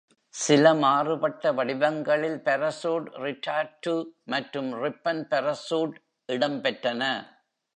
சில மாறுபட்ட வடிவங்களில் பாராசூட்-ரிடார்ட்டு மற்றும் ரிப்பன் பாராசூட் இடம்பெற்றன.